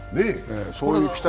そういう期待を。